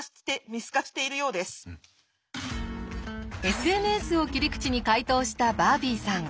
ＳＮＳを切り口に解答したバービーさん。